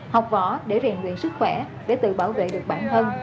học võ để rèn luyện sức khỏe để tự bảo vệ được bản thân